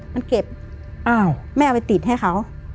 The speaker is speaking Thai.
ไม่เก็บไม่เอาไปติดให้เขา